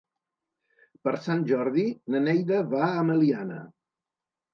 Per Sant Jordi na Neida va a Meliana.